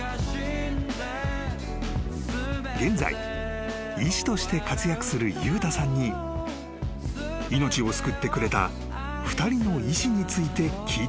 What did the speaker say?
［現在医師として活躍する裕太さんに命を救ってくれた２人の医師について聞いてみた］